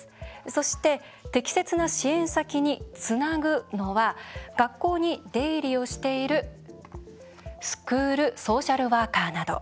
そして適切な支援先につなぐのは学校に出入りをしているスクールソーシャルワーカーなど。